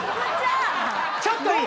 ⁉ちょっといい。